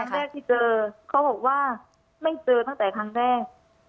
แรกที่เจอเขาบอกว่าไม่เจอตั้งแต่ครั้งแรก